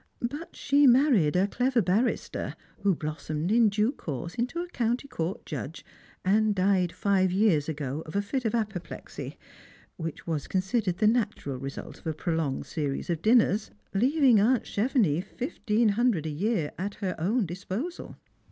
But she married a clever barrister, who blossomed in due course into a county court judge, and died five years ago of a fit of apoplexy, which was considered the natural result of a pro longed series of dinners, leaving aunt Chevenix fifteen hundred a year at her own disposal.